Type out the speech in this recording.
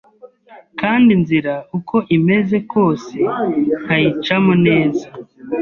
kandi inzira uko imeze kose nkayicamo neza.